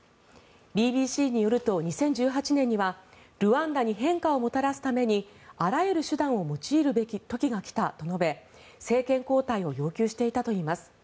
ＢＢＣによると２０１８年にはルワンダに変化をもたらすためにあらゆる手段を用いるべき時が来たと述べ政権交代を要求していたといいます。